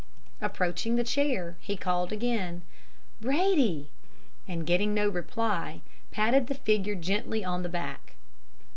"Approaching the chair he called again, 'Brady!' and getting no reply, patted the figure gently on the back.